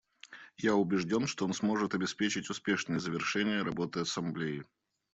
Я убежден, что он сможет обеспечить успешное завершение работы Ассамблеи.